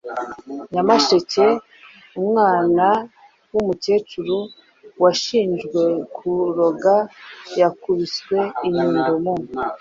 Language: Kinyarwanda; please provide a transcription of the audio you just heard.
Nyamasheke: Umwana w’umukecuru washinjwe kuroga yakubiswe inyundo mu